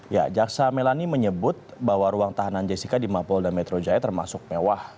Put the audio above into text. ya jaksa melani menyebut bahwa ruang tahanan jessica di mapolda metro jaya termasuk mewah